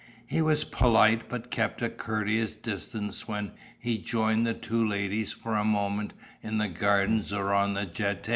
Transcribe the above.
He was polite but kept a courteous distance when he joined the two ladies for a moment in the gardens or on the Jetée.